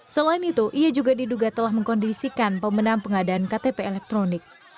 selain itu ia juga diduga telah mengkondisikan pemenang pengadaan ktp elektronik